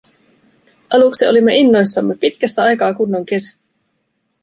Aluksi olimme innoissamme: pitkästä aikaa kunnon kesä!